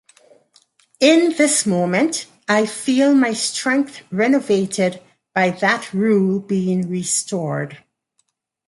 In this moment I feel my strength renovated by that rule being restored.